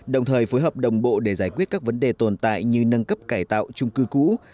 đồng thời phối hợp đồng bộ để giải quyết các vấn đề tồn tại như nâng cấp cải tạo trung cư cũ